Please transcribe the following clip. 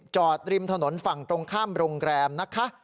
ริมถนนฝั่งตรงข้ามโรงแรมนะคะ